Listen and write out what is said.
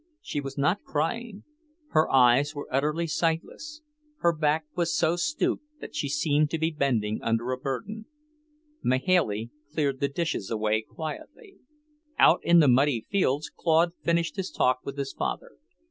She was not crying. Her eyes were utterly sightless. Her back was so stooped that she seemed to be bending under a burden. Mahailey cleared the dishes away quietly. Out in the muddy fields Claude finished his talk with his father.